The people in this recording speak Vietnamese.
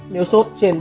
nếu sốt trên ba mươi tám